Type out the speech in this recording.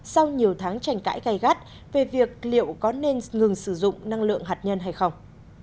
sau nhiều tháng tranh cãi gai gắt về việc liệu có nên ngừng sử dụng năng lượng hạt nhân hay không